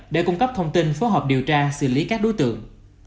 để cung cấp thông tin phối hợp điều tra xử lý các đối tượng